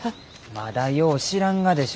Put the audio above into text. まだよう知らんがでしょう？